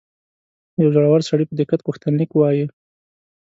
یو زوړ سړي په دقت غوښتنلیک وایه.